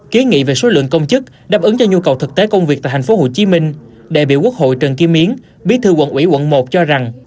kế nghị về số lượng công chức đáp ứng cho nhu cầu thực tế công việc tại thành phố hồ chí minh đại biểu quốc hội trần kim yến bí thư quận ủy quận một cho rằng